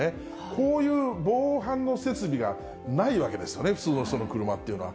こういう防犯の設備がないわけですよね、普通の人の車っていうのは。